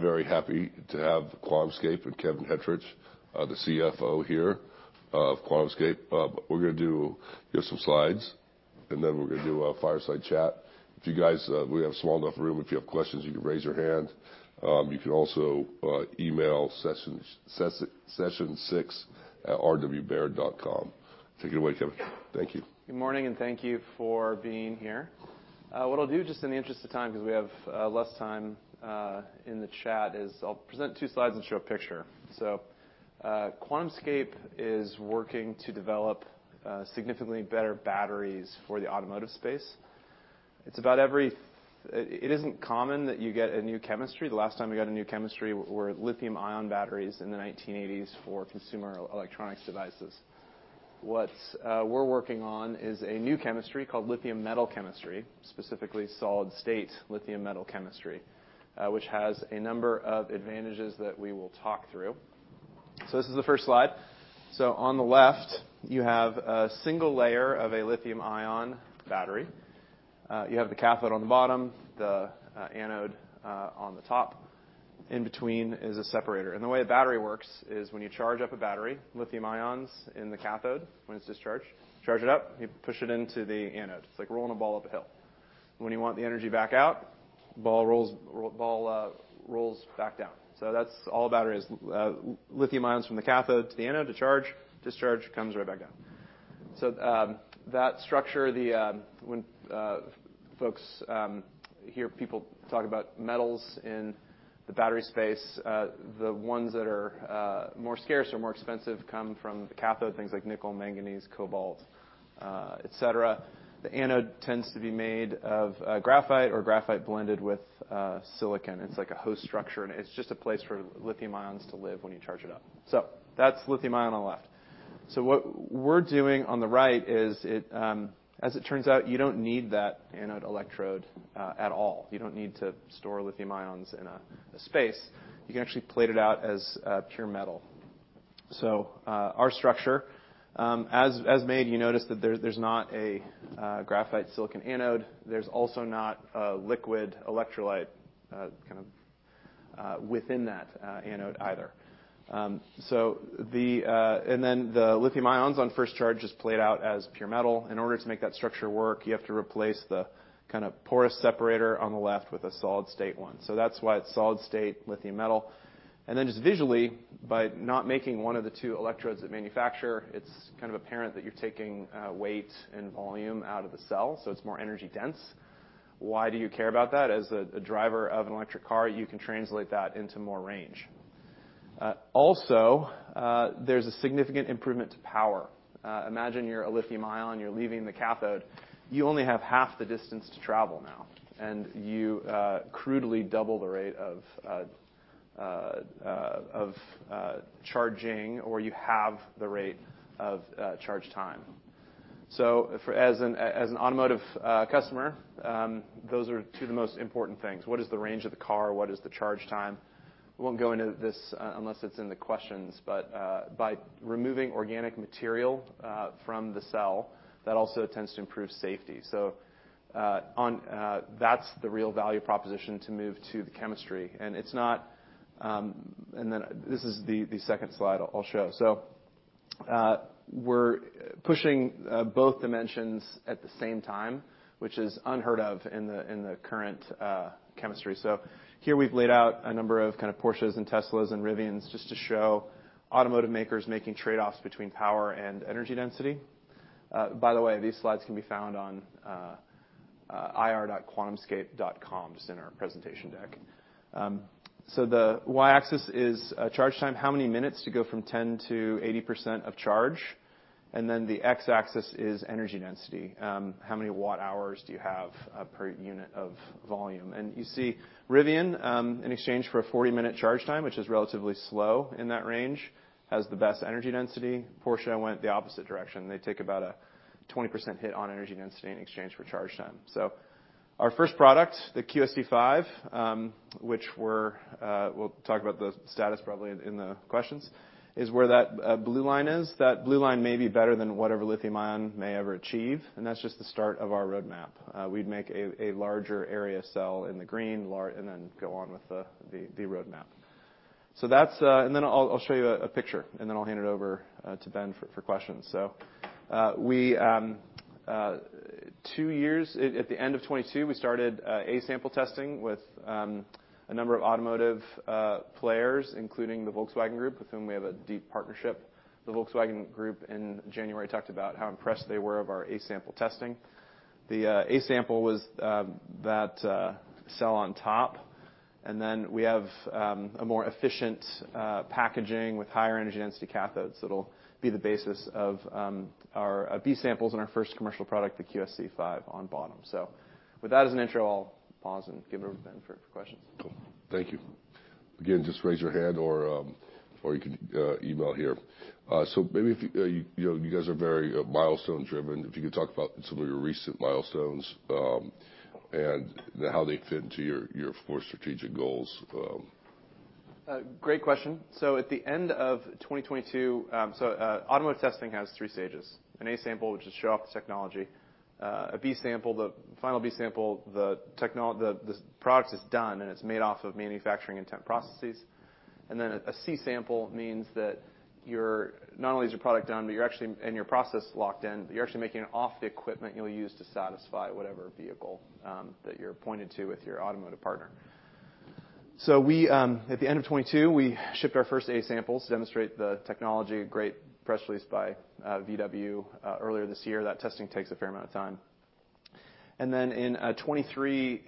Very happy to have QuantumScape and Kevin Hettrich, the CFO here of QuantumScape. We're gonna do, he have some slides, and then we're gonna do a fireside chat. If you guys... We have a small enough room, if you have questions, you can raise your hand. You can also email session6@rwbaird.com. Take it away, Kevin. Thank you. Good morning and thank you for being here. What I'll do, just in the interest of time, cause we have less time in the chat, is I'll present two slides and show a picture. So, QuantumScape is working to develop significantly better batteries for the automotive space. It's about every-- it isn't common that you get a new chemistry. The last time we got a new chemistry were lithium-ion batteries in the 1980s for consumer electronics devices. What we're working on is a new chemistry called lithium metal chemistry, specifically solid-state lithium metal chemistry, which has a number of advantages that we will talk through. So this is the first slide. So on the left, you have a single layer of a lithium-ion battery. You have the cathode on the bottom, the anode on the top. In between is a separator. The way a battery works is when you charge up a battery, lithium-ions in the cathode, when it's discharged, charge it up, you push it into the anode. It's like rolling a ball up a hill. When you want the energy back out, the ball rolls back down. So that's all a battery is. Lithium ions from the cathode to the anode to charge, discharge, comes right back down. So, that structure, the... When folks hear people talk about metals in the battery space, the ones that are more scarce or more expensive come from the cathode, things like nickel, manganese, cobalt, et cetera. The anode tends to be made of graphite or graphite blended with silicon. It's like a host structure, and it's just a place for lithium-ions to live when you charge it up. So that's lithium-ion on the left. So what we're doing on the right is it, as it turns out, you don't need that anode electrode at all. You don't need to store lithium-ions in a space. You can actually plate it out as pure metal. So, our structure, as made, you notice that there's not a graphite silicon anode. There's also not a liquid electrolyte, kind of, within that anode either. And then the lithium-ions on first charge are plated out as pure metal. In order to make that structure work, you have to replace the kind of porous separator on the left with a solid-state one. So that's why it's solid-state lithium metal. And then just visually, by not making one of the two electrodes in manufacturing, it's kind of apparent that you're taking weight and volume out of the cell, so it's more energy-dense. Why do you care about that? As a driver of an electric car, you can translate that into more range. Also, there's a significant improvement to power. Imagine you're a lithium-ion, you're leaving the cathode, you only have half the distance to travel now, and you crudely double the rate of charging, or you have the rate of charge time. So for as an automotive customer, those are two of the most important things: What is the range of the car? What is the charge time? We won't go into this, unless it's in the questions, but, by removing organic material, from the cell, that also tends to improve safety. That's the real value proposition to move to the chemistry, and it's not. And then this is the second slide I'll show. So, we're pushing both dimensions at the same time, which is unheard of in the current chemistry. So here we've laid out a number of kind of Porsches and Teslas and Rivians just to show automotive makers making trade-offs between power and energy density. By the way, these slides can be found on ir.quantumscape.com, just in our presentation deck. So the y-axis is charge time, how many minutes to go from 10% to 80% of charge? And then the x-axis is energy density. How many watt-hours do you have per unit of volume? And you see Rivian, in exchange for a 40-minute charge time, which is relatively slow in that range, has the best energy density. Porsche went the opposite direction. They take about a 20% hit on energy density in exchange for charge time. So our first product, the QSE-5, which we're... We'll talk about the status probably in the questions, is where that blue line is. That blue line may be better than whatever lithium-ion may ever achieve, and that's just the start of our roadmap. We'd make a larger area cell in the green, and then go on with the roadmap. So that's... And then I'll show you a picture, and then I'll hand it over to Ben for questions. So, two years, at the end of 2022, we started A-sample testing with a number of automotive players, including the Volkswagen Group, with whom we have a deep partnership. The Volkswagen Group in January talked about how impressed they were of our A-sample testing. The A-sample was that cell on top, and then we have a more efficient packaging with higher energy density cathodes that'll be the basis of our B-samples and our first commercial product, the QSE-5, on bottom. So with that as an intro, I'll pause and give it over to Ben for questions. Cool. Thank you. Again, just raise your hand or, or you can, email here. So maybe if, you know, you guys are very, milestone-driven, if you could talk about some of your recent milestones, and how they fit into your, your four strategic goals? Great question. So at the end of 2022, automotive testing has three stages: an A-sample, which is show off the technology, a B-sample, the final B-sample, the product is done, and it's made off of manufacturing intent processes. And then a C-sample means that you're not only is your product done, but you're actually and your process locked in, but you're actually making it off the equipment you'll use to satisfy whatever vehicle that you're appointed to with your automotive partner. So we at the end of 2022, we shipped our first A-samples to demonstrate the technology. Great press release by VW earlier this year. That testing takes a fair amount of time. And then in 2023,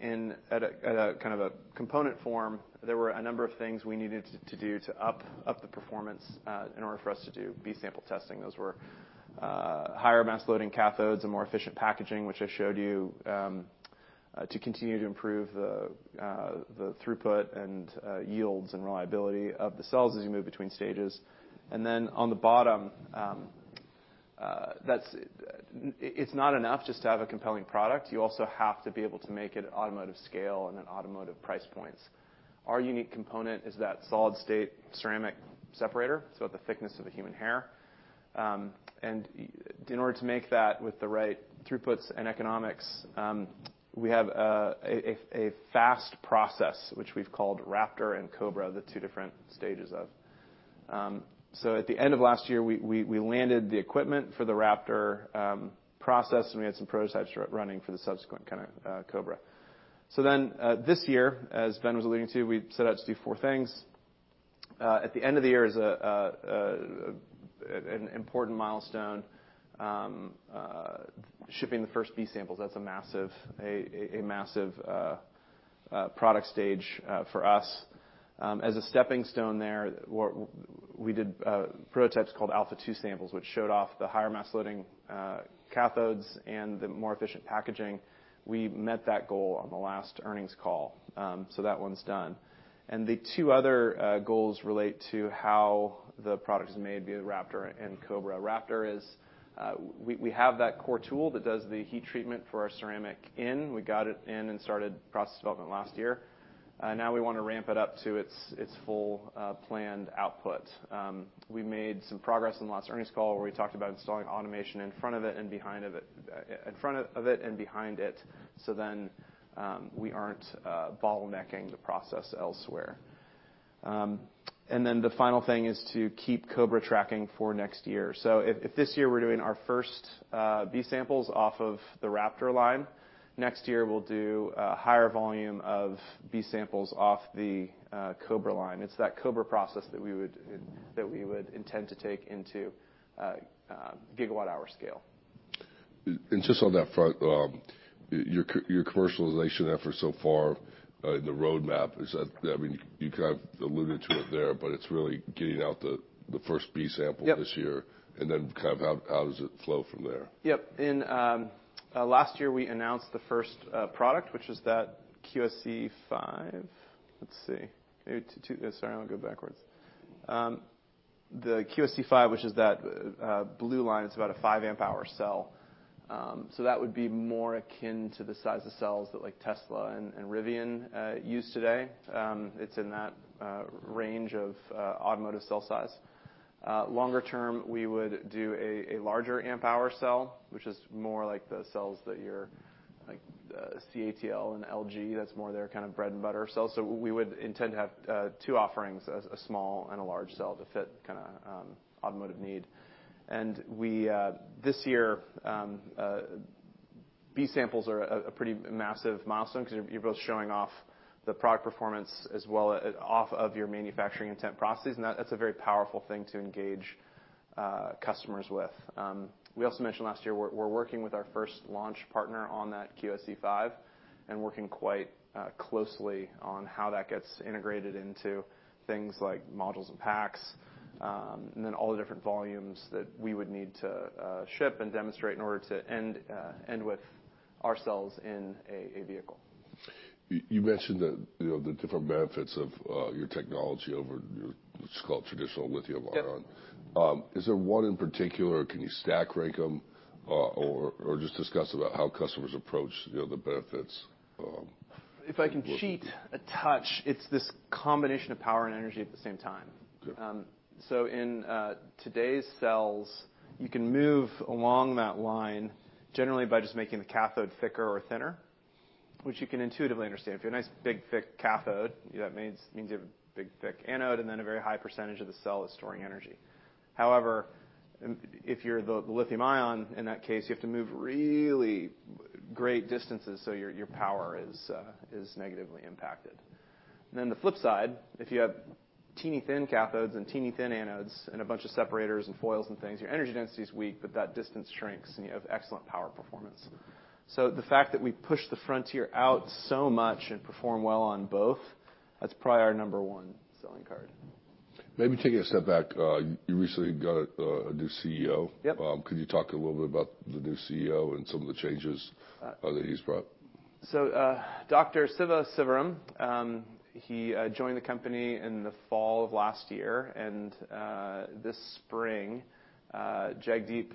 at a kind of component form, there were a number of things we needed to do to up the performance in order for us to B-sample testing. Those were higher mass loading cathodes and more efficient packaging, which I showed you, to continue to improve the throughput and yields and reliability of the cells as you move between stages. And then on the bottom, that's not enough just to have a compelling product. You also have to be able to make it at automotive scale and at automotive price points. Our unique component is that solid-state ceramic separator, it's about the thickness of a human hair. In order to make that with the right throughputs and economics, we have a fast process, which we've called Raptor and Cobra, the two different stages of. So at the end of last year, we landed the equipment for the Raptor process, and we had some prototypes running for the subsequent kind of Cobra. So then, this year, as Ben was alluding to, we set out to do four things. At the end of the year is an important milestone, shipping the first B-samples. That's a massive product stage for us. As a stepping stone there, we did prototypes called Alpha-2 samples, which showed off the higher mass loading cathodes and the more efficient packaging. We met that goal on the last earnings call, so that one's done. The two other goals relate to how the product is made via Raptor and Cobra. Raptor is we have that core tool that does the heat treatment for our ceramic separator. We got it in and started process development last year. Now we wanna ramp it up to its full planned output. We made some progress in the last earnings call, where we talked about installing automation in front of it and behind it, so then we aren't bottlenecking the process elsewhere. And then the final thing is to keep Cobra tracking for next year. So if this year we're doing our first B-samples off of the Raptor line, next year we'll do a higher volume of B-samples off the Cobra line. It's that Cobra process that we would intend to take into a gigawatt hour scale. Just on that front, your commercialization effort so far in the roadmap, is that... I mean, you kind of alluded to it there, but it's really getting out the first B-sample- Yep. this year, and then kind of how, how does it flow from there? Yep. In last year, we announced the first product, which is that QSE-5. Let's see. Maybe two. Sorry, I'll go backwards. The QSE-5, which is that blue line, it's about a five amp hour cell. So that would be more akin to the size of cells that like Tesla and Rivian use today. It's in that range of automotive cell size. Longer term, we would do a larger amp hour cell, which is more like the cells that you're like CATL and LG, that's more their kind of bread and butter cell. So we would intend to have two offerings, a small and a large cell, to fit kind of automotive need. And we this year B-samples are a pretty massive milestone because you're both showing off the product performance as well as off of your manufacturing intent processes, and that's a very powerful thing to engage customers with. We also mentioned last year we're working with our first launch partner on that QSE-5 and working quite closely on how that gets integrated into things like modules and packs, and then all the different volumes that we would need to ship and demonstrate in order to end with our cells in a vehicle. You mentioned the, you know, the different benefits of your technology over, just call it, traditional lithium-ion. Yep. Is there one in particular, can you stack rank them, or just discuss about how customers approach, you know, the benefits? If I can cheat a touch, it's this combination of power and energy at the same time. Okay. So, in today's cells, you can move along that line, generally by just making the cathode thicker or thinner, which you can intuitively understand. If you have a nice, big, thick cathode, that means you have a big, thick anode, and then a very high percentage of the cell is storing energy. However, if you're the lithium-ion, in that case, you have to move really great distances, so your power is negatively impacted. Then the flip side, if you have teeny thin cathodes and teeny thin anodes and a bunch of separators and foils and things, your energy density is weak, but that distance shrinks, and you have excellent power performance. So, the fact that we pushed the frontier out so much and perform well on both, that's probably our number one selling card. Maybe taking a step back, you recently got a new CEO. Yep. Could you talk a little bit about the new CEO and some of the changes that he's brought? So, Dr. Siva Sivaram, he joined the company in the fall of last year, and this spring, Jagdeep,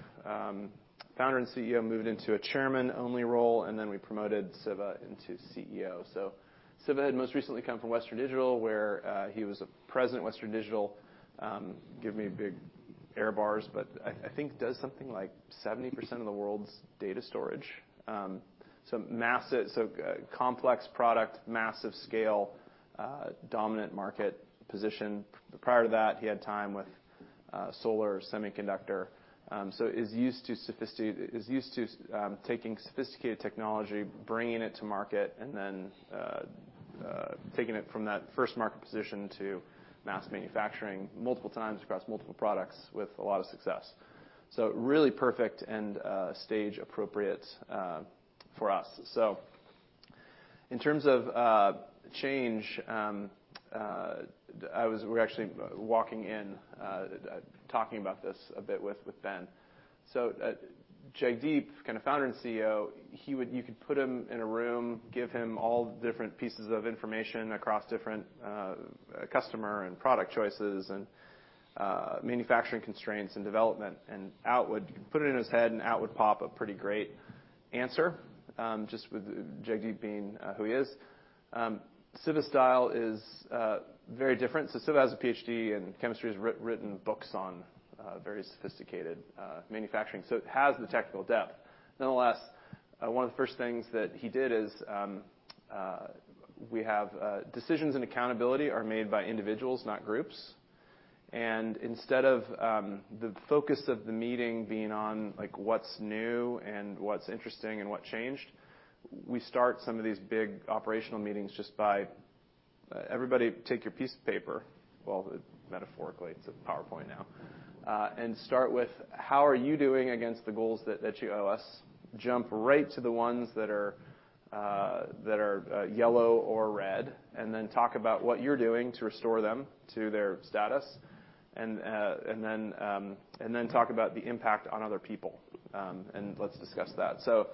founder and CEO, moved into a chairman-only role, and then we promoted Siva into CEO. So Siva had most recently come from Western Digital, where he was the president of Western Digital. Give me a big (pair of bars) but I think does something like 70% of the world's data storage. So massive, so complex product, massive scale, dominant market position. Prior to that, he had time with solar, semiconductors so is used to sophisticated technology, bringing it to market, and then taking it from that first market position to mass manufacturing multiple times across multiple products with a lot of success. So really perfect and stage appropriate for us. So in terms of change, we were actually walking in talking about this a bit with Ben. So Jagdeep, kind of founder and CEO, you could put him in a room, give him all different pieces of information across different customer and product choices, and manufacturing constraints and development, and put it in his head, and out would pop a pretty great answer, just with Jagdeep being who he is. Siva style is very different. So Siva has a PhD in chemistry, has written books on very sophisticated manufacturing, so has the technical depth. Nonetheless, one of the first things that he did is we have decisions and accountability are made by individuals, not groups. Instead of the focus of the meeting being on, like, what's new and what's interesting and what changed, we start some of these big operational meetings just by everybody, take your piece of paper, well, metaphorically, it's a PowerPoint now, and start with, how are you doing against the goals that you owe us? Jump right to the ones that are yellow or red and then talk about what you're doing to restore them to their status, and then talk about the impact on other people, and let's discuss that. So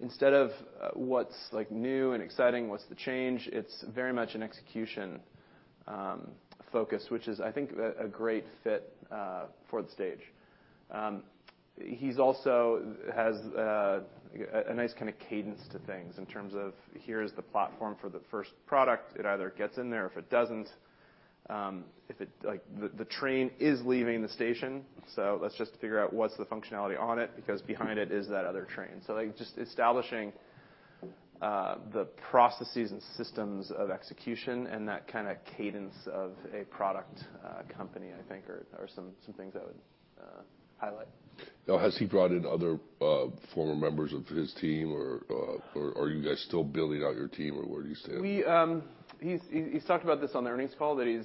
instead of what's like new and exciting, what's the change, it's very much an execution focus, which is, I think, a great fit for the stage. He's also has a nice kind of cadence to things in terms of, here is the platform for the first product. It either gets in there, or if it doesn't, if it. Like, the train is leaving the station, so let's just figure out what's the functionality on it, because behind it is that other train. So, like, just establishing the processes and systems of execution and that kind of cadence of a product company, I think, are some things I would highlight. Now, has he brought in other former members of his team, or are you guys still building out your team, or where do you stand? We, he's talked about this on the earnings call, that he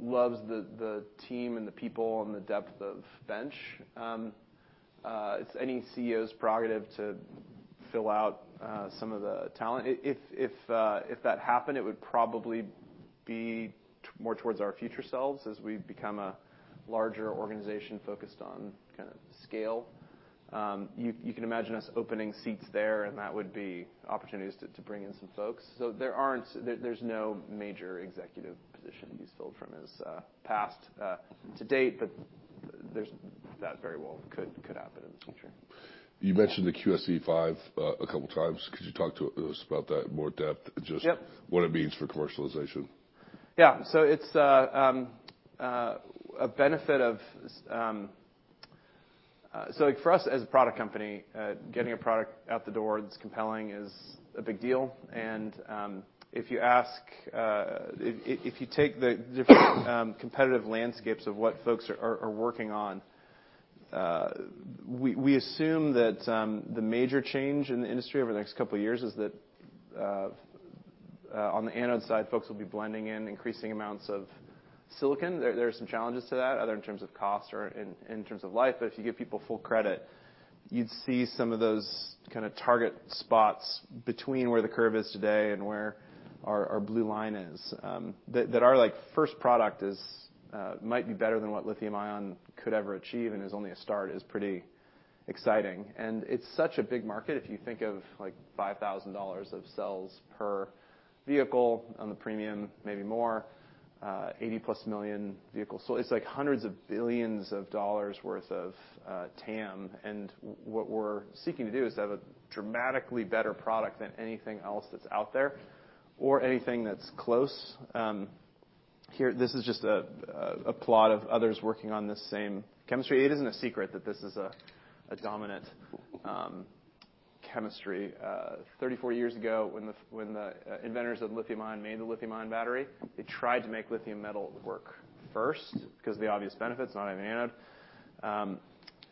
loves the team and the people and the depth of bench. It's any CEO's prerogative to fill out some of the talent. If that happened, it would probably be more towards our future selves as we become a larger organization focused on kind of scale. You can imagine us opening seats there, and that would be opportunities to bring in some folks. So there aren't there, there's no major executive position he's filled from his past to date, but there's. That very well could happen in the future. You mentioned the QSE-5 a couple times. Could you talk to us about that in more depth? Yep. Just what it means for commercialization? Yeah. So, it's a benefit of. So for us, as a product company, getting a product out the door that's compelling is a big deal, and, if you ask, if you take the different competitive landscapes of what folks are working on, we assume that the major change in the industry over the next couple of years is that on the anode side, folks will be blending in increasing amounts of silicon. There are some challenges to that, either in terms of cost or in terms of life, but if you give people full credit, you'd see some of those kinds of target spots between where the curve is today and where our blue line is. That our first product is might be better than what lithium-ion could ever achieve and is only a start is pretty exciting. It's such a big market. If you think of, like, $5,000 of cells per vehicle on the premium, maybe more, 80+ million vehicles. So, it's like hundreds of billions of dollars worth of TAM, and what we're seeking to do is have a dramatically better product than anything else that's out there or anything that's close. Here, this is just a plot of others working on this same chemistry. It isn't a secret that this is a dominant chemistry. Thirty-four years ago, when the inventors of lithium-ion made the lithium-ion battery, they tried to make lithium-metal work first because the obvious benefits, not having an anode,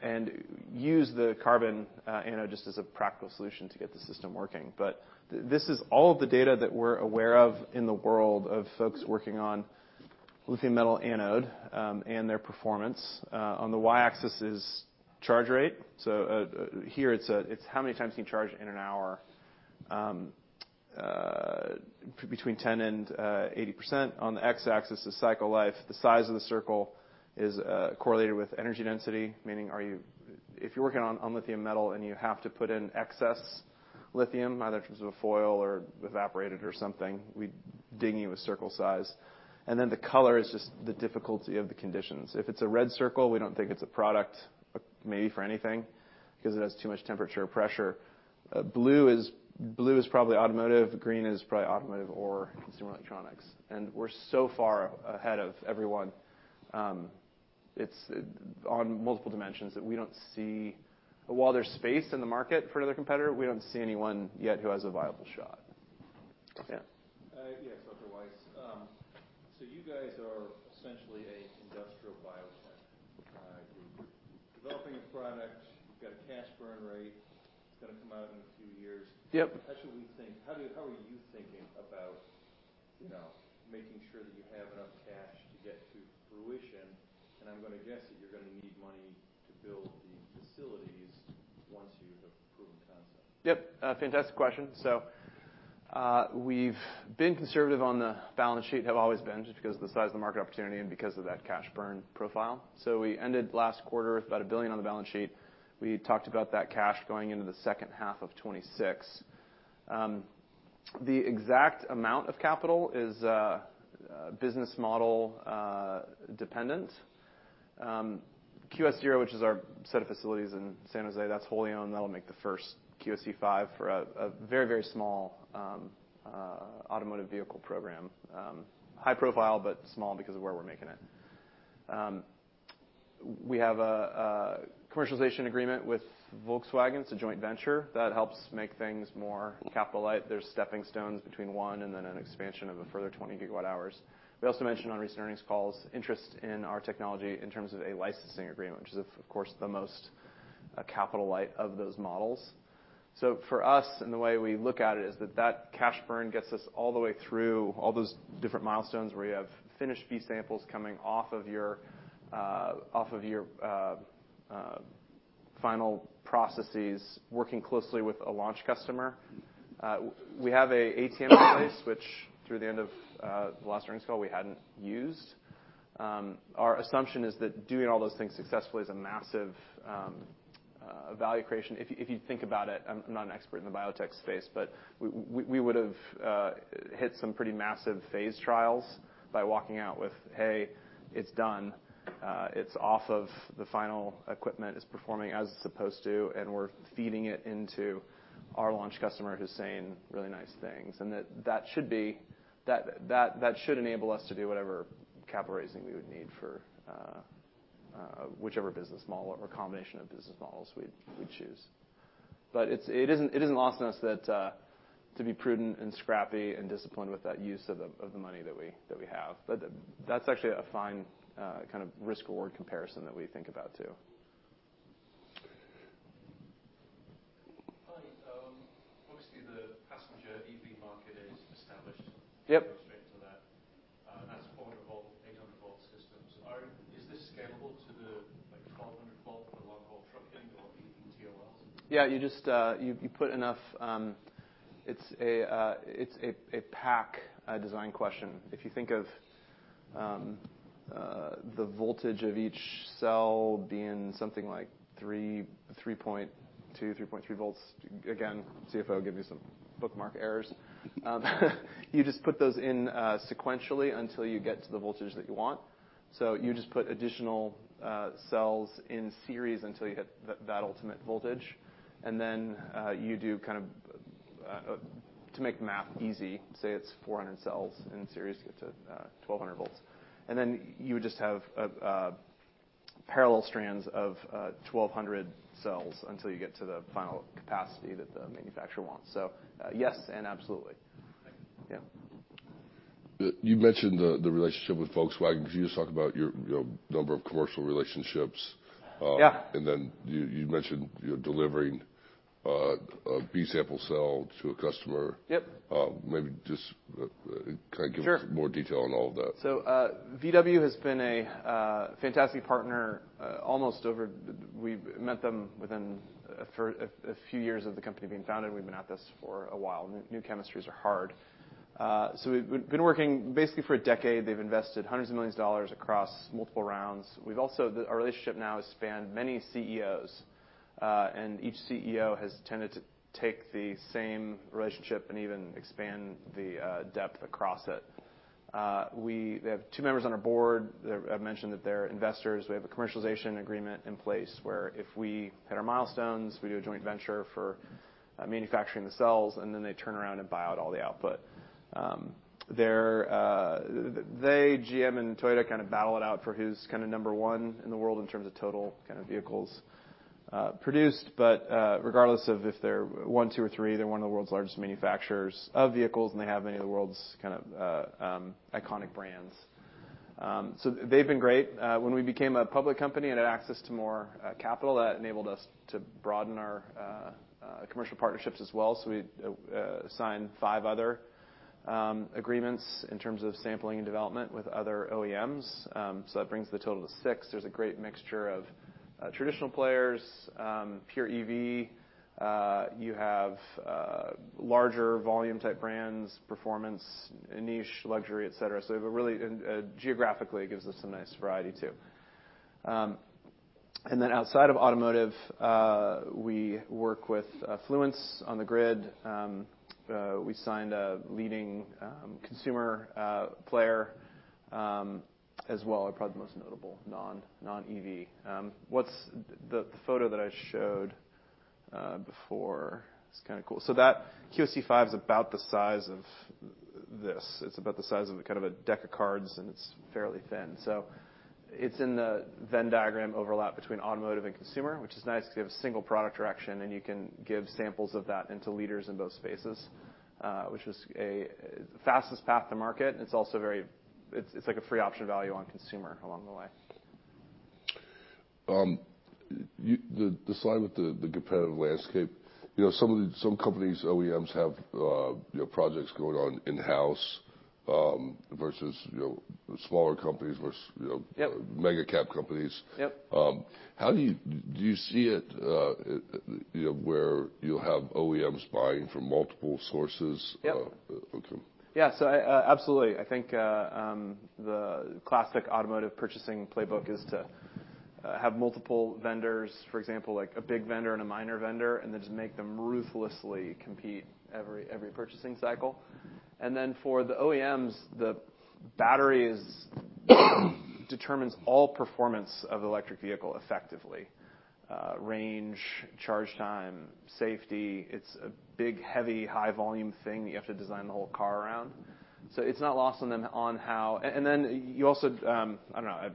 and use the carbon anode, just as a practical solution to get the system working. But this is all of the data that we're aware of in the world of folks working on lithium-metal anode, and their performance. On the y-axis is charge rate. So, here it's how many times can you charge in an hour, between 10% and 80%. On the x-axis is cycle life. The size of the circle is correlated with energy density, meaning are you—if you're working on lithium metal and you have to put in excess lithium, either in terms of a foil or evaporated or something, we ding you with circle size. And then the color is just the difficulty of the conditions. If it's a red circle, we don't think it's a product, maybe for anything, because it has too much temperature or pressure. Blue is probably automotive; green is probably automotive or consumer electronics. And we're so far ahead of everyone, it's on multiple dimensions that we don't see. While there's space in the market for another competitor, we don't see anyone, yet who has a viable shot. Yeah. Yes, Dr. Weiss. So you guys are essentially a industrial biotech. You're developing a product, you've got a cash burn rate, it's gonna come out in a few years. Yep. How do you think about, you know, making sure that you have enough cash to get to fruition? And I'm gonna guess that you're gonna need money to build the facilities once you have proven concept. Yep, fantastic question. So, we've been conservative on the balance sheet, have always been, just because of the size of the market opportunity and because of that cash burn profile. So we ended last quarter with about $1 billion on the balance sheet. We talked about that cash going into the second half of 2026. The exact amount of capital is, business model, dependent. QS-0, which is our set of facilities in San Jose, that's wholly owned, that'll make the first QSE-5 for a very, very small automotive vehicle program. High profile, but small because of where we're making it. We have a commercialization agreement with Volkswagen. It's a joint venture that helps make things more capital light. There's stepping stones between one and then an expansion of a further 20 GWh. We also mentioned on recent earnings calls, interest in our technology in terms of a licensing agreement, which is, of course, the most capital light of those models. So for us, and the way we look at it, is that that cash burn gets us all the way through all those different milestones, where you have finished B-samples coming off of your final processes, working closely with a launch customer. We have an ATM in place, which through the end of the last earnings call, we hadn't used. Our assumption is that doing all those things successfully is a massive value creation. If you think about it, I'm not an expert in the biotech space, but we would've hit some pretty massive phase trials by walking out with, "Hey, it's done. It's off of the final equipment. It's performing as it's supposed to, and we're feeding it into our launch customer, who's saying really nice things." And that should be—that should enable us to do whatever capital raising we would need for whichever business model or combination of business models we'd choose. But it isn't lost on us that to be prudent and scrappy and disciplined with that use of the money that we have. But that's actually a fine kind of risk-reward comparison that we think about, too. Hi. Obviously, the passenger EV market is established- Yep. To go straight into that, that's 400-volt, 800-volt systems. Is this scalable to the, like, 1,200-volt for long-haul trucking or eVTOLs? Yeah, you just, you put enough. It's a pack design question. If you think of the voltage of each cell being something like 3 volts, 3.2 volts, 3.3 volts, again, CFO, give you some ballpark figures. You just put those in sequentially until you get to the voltage that you want. So, you just put additional cells in series until you hit that ultimate voltage. And then you do kind of. To make the math easy, say it's 400 cells in series to get to 1,200 volts. And then you would just have parallel strands of 1,200 cells until you get to the final capacity that the manufacturer wants. So yes, and absolutely. Thank you. Yeah. You mentioned the relationship with Volkswagen. Could you just talk about your, you know, number of commercial relationships? Yeah. And then you mentioned you're delivering a B-sample cell to a customer. Yep. Maybe just, Sure. kind of give us more detail on all of that. VW has been a fantastic partner. We've met them within a few years of the company being founded. We've been at this for a while. New chemistries are hard. So we've been working basically for a decade. They've invested $hundreds of millions across multiple rounds. Our relationship now has spanned many CEOs, and each CEO has tended to take the same relationship and even expand the depth across it. They have two members on our board. They've mentioned that they're investors. We have a commercialization agreement in place where if we hit our milestones, we do a joint venture for manufacturing the cells, and then they turn around and buy out all the output. They, GM, and Toyota kind of battle it out for who's kind of number one in the world in terms of total kind of vehicles produced. But, regardless of if they're one, two, or three, they're one of the world's largest manufacturers of vehicles, and they have many of the world's kind of iconic brands. So they've been great. When we became a public company and had access to more capital, that enabled us to broaden our commercial partnerships as well. So we signed five other agreements in terms of sampling and development with other OEMs. So that brings the total to six. There's a great mixture of traditional players, pure EV. You have larger volume-type brands, performance, and niche, luxury, et cetera. So geographically, it gives us a nice variety, too. And then outside of automotive, we work with Fluence on the grid. We signed a leading consumer player as well, are probably the most notable non non-EV. The photo that I showed before. It's kinda cool. So that QSE-5 is about the size of this. It's about the size of a kind of a deck of cards, and it's fairly thin. So it's in the Venn diagram overlap between automotive and consumer, which is nice to have a single product direction, and you can give samples of that into leaders in both spaces, which is the fastest path to market. It's also very it's like a free option value on consumer along the way. You, the slide with the competitive landscape. You know, some companies, OEMs, have projects going on in-house, versus, you know, smaller companies versus, you know- Yep. -mega-cap companies. Yep. How do you see it, you know, where you'll have OEMs buying from multiple sources? Yep. Okay. Yeah, so, absolutely. I think, the classic automotive purchasing playbook is to, have multiple vendors, for example, like a big vendor and a minor vendor, and then just make them ruthlessly compete every purchasing cycle. And then for the OEMs, the batteries, determines all performance of electric vehicle effectively, range, charge time, safety. It's a big, heavy, high volume thing that you have to design the whole car around. So it's not lost on them, on how. And then you also, I don't know,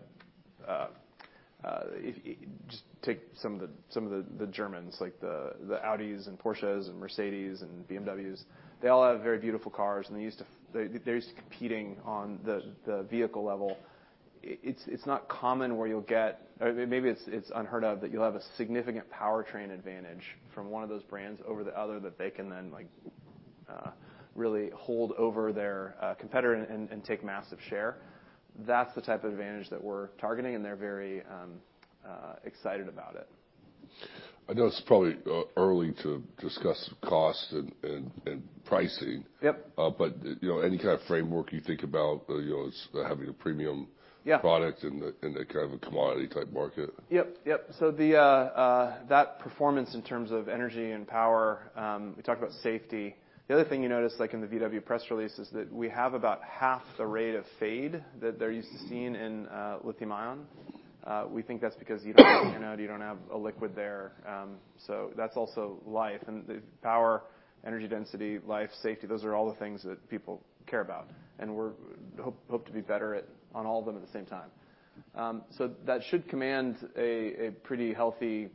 just take some of the, the Germans, like the Audis and Porsches and Mercedes and BMWs, they all have very beautiful cars, and they're used to competing on the vehicle level. It's not common where you'll get, maybe it's unheard of, that you'll have a significant powertrain advantage from one of those brands over the other, that they can then, like, really hold over their competitor and take massive share. That's the type of advantage that we're targeting, and they're very excited about it. I know it's probably early to discuss cost and pricing- Yep. But, you know, any kind of framework you think about, you know, it's having a premium- Yeah product in the kind of a commodity-type market? Yep, yep. So that performance in terms of energy and power, we talked about safety. The other thing you notice, like in the VW press release, is that we have about half the rate of fade that they're used to seeing in lithium-ion. We think that's because you don't have an anode, you don't have a liquid there. So that's also life and the power, energy density, life, safety, those are all the things that people care about, and we hope to be better at all of them at the same time. So that should command a pretty healthy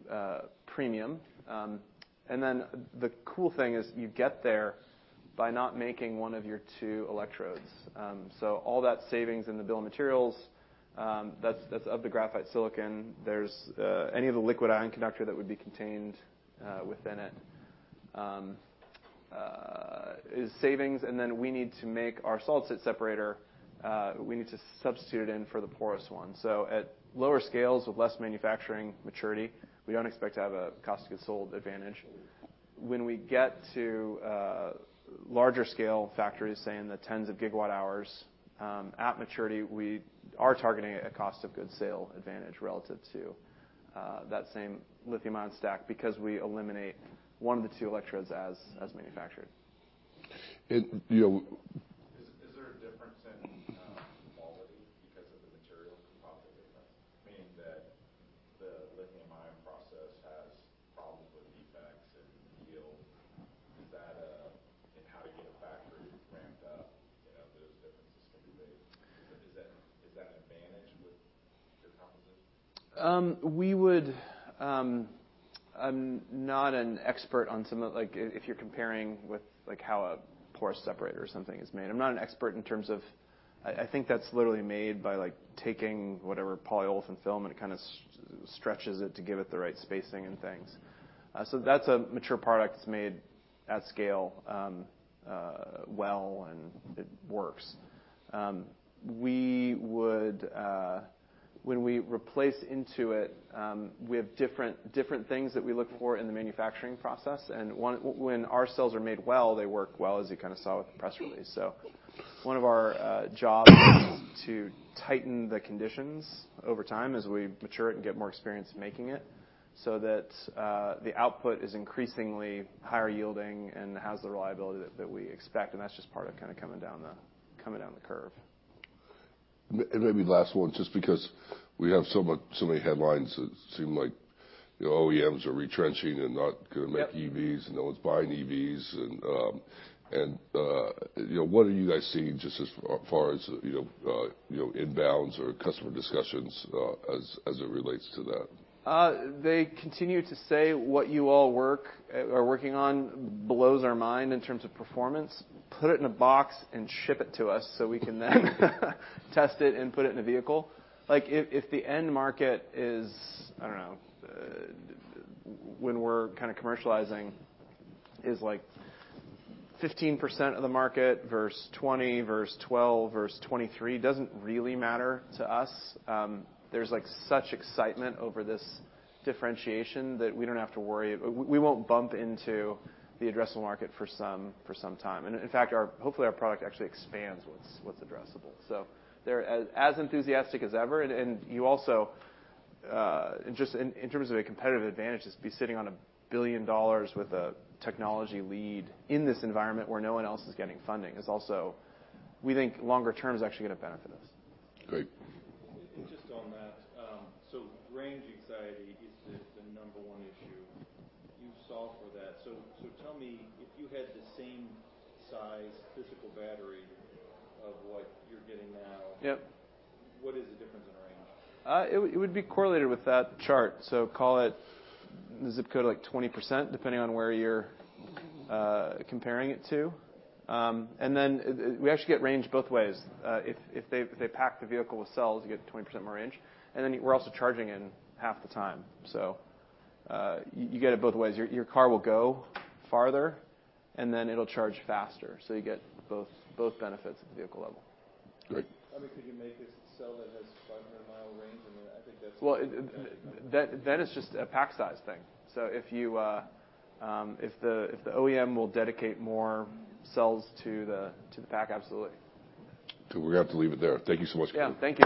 premium. And then the cool thing is, you get there by not making one of your two electrodes. So all that savings in the bill of materials, that's of the graphite silicon. Any of the liquid ion conductor that would be contained within it is savings. Then we need to make our solid-state separator. We need to substitute it in for the porous one. At lower scales, with less manufacturing maturity, we don't expect to have a cost of goods sold advantage. When we get to larger scale factories, saying the tens of gigawatt-hours, at maturity, we are targeting a cost of goods sold advantage relative to that same lithium-ion stack, because we eliminate one of the two electrodes as manufactured. And, you know- Is there a difference in quality because of the material composition? Meaning that the lithium-ion process has problems with defects and yield. Is that in how to get a factory ramped up, you know, those differences can be made. Is that an advantage with your composition? We would. I'm not an expert on some of like, if you're comparing with, like, how a porous separator or something is made, I'm not an expert in terms of, I think that's literally made by, like, taking whatever polyolefin film, and it kind of stretches it to give it the right spacing and things. So that's a mature product that's made at scale, well, and it works. We would, when we replace into it, we have different things that we look for in the manufacturing process, and one when our cells are made well, they work well, as you kind of saw with the press release. So one of our jobs is to tighten the conditions over time as we mature it and get more experience making it, so that the output is increasingly higher yielding and has the reliability that we expect, and that's just part of kind of coming down the curve. Maybe last one, just because we have so much, so many headlines that seem like, you know, OEMs are retrenching and not gonna make- Yep EVs, and no one's buying EVs. And, you know, what are you guys seeing just as far as, you know, you know, inbounds or customer discussions, as it relates to that? They continue to say what you all work, are working on, blows our mind in terms of performance. Put it in a box and ship it to us, so we can then test it and put it in a vehicle. Like, if, if the end market is, I don't know, when we're kind of commercializing, is like 15% of the market versus 20%, versus 12%, versus 23%, doesn't really matter to us. There's, like, such excitement over this differentiation that we don't have to worry. We, we won't bump into the addressable market for some, for some time. And in fact, our, hopefully, our product actually expands what's, what's addressable. So they're as, as enthusiastic as ever. You also, just in terms of a competitive advantage, just be sitting on $1 billion with a technology lead in this environment where no one else is getting funding, is also. We think longer term is actually gonna benefit us. Great. Just on that, so range anxiety is the number one issue. You've solved for that. So tell me, if you had the same size physical battery of what you're getting now- Yep. What is the difference in range? It would, it would be correlated with that chart. So call it, zip code of, like, 20%, depending on where you're comparing it to. And then we actually get range both ways. If, if they, they pack the vehicle with cells, you get 20% more range, and then we're also charging in half the time. So, you get it both ways. Your, your car will go farther, and then it'll charge faster, so you get both, both benefits at the vehicle level. Great. I mean, could you make a cell that has 500 mile range? And I think that's- Well, that is just a pack size thing. So if the OEM will dedicate more cells to the pack, absolutely. We're gonna have to leave it there. Thank you so much. Yeah. Thank you.